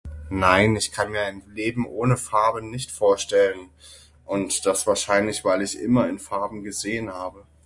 Nein ich kann mir ein Leben ohne Farbe nicht vorstellen und das wahrscheinlich, weil ich immer in Farben gesehen habe.